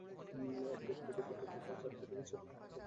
একটি খুঁটিতে দুটি, কোথাও চারটি থেকে ছয়টি পর্যন্ত ক্যামেরা লাগানো রয়েছে।